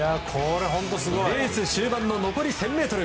レース終盤の残り１０００ｍ。